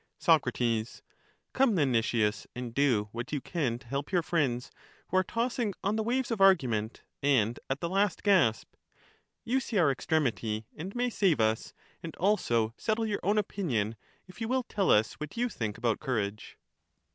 Soc, Come then, Nicias, and do what you can to LACHES 109 help your friends, who are tossing on the waves of argument, and at the last gasp : you see our extrem ity, and may save us, and also settle your own opinion, if you will tell us what you think about courage.